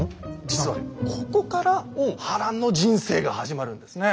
実はここから波乱の人生が始まるんですね。